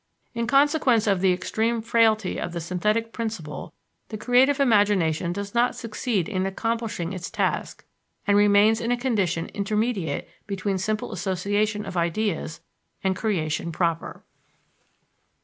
In consequence of the extreme frailty of the synthetic principle the creative imagination does not succeed in accomplishing its task and remains in a condition intermediate between simple association of ideas and creation proper.